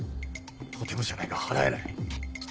とてもじゃないが払えない。